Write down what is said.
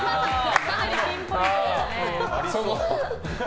かなりピンポイントですね。